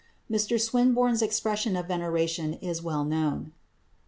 Mr Swinburne's expression of veneration is well known.